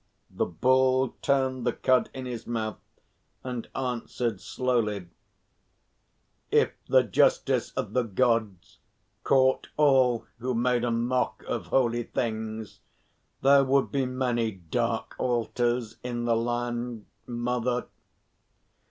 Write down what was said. The Bull turned the cud in his mouth and answered slowly: "If the Justice of the Gods caught all who made a mock of holy things there would be many dark altars in the land, mother."